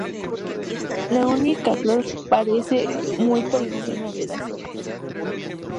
La única flor aparece muy por encima de las hojas.